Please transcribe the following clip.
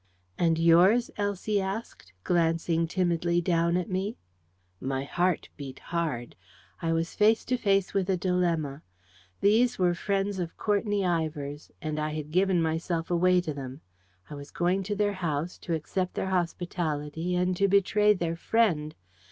"And yours?" Elsie asked, glancing timidly down at me. My heart beat hard. I was face to face with a dilemma. These were friends of Courtenay Ivor's, and I had given myself away to them. I was going to their house, to accept their hospitality and to betray their friend!